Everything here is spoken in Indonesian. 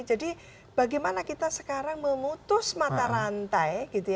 jadi bagaimana kita sekarang memutus mata rantai